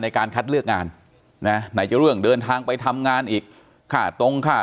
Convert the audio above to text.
ในการคัดเลือกงานนะไหนจะเรื่องเดินทางไปทำงานอีกค่าตรงค่า